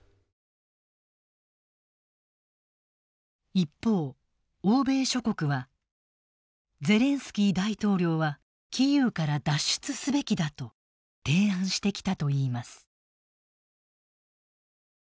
一方欧米諸国は「ゼレンスキー大統領はキーウから脱出すべきだ」と提案してきたといいます。